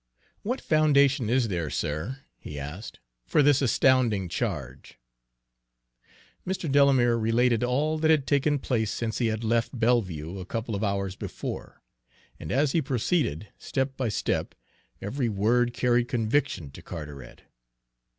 "What foundation is there, sir," he asked, "for this astounding charge?" Mr. Delamere related all that had taken place since he had left Belleview a couple of hours before, and as he proceeded, step by step, every word carried conviction to Carteret.